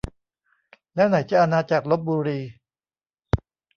แล้วไหนจะอาณาจักรลพบุรี